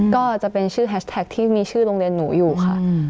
ก็จะเป็นชื่อแฮชแท็กที่มีชื่อโรงเรียนหนูอยู่ค่ะ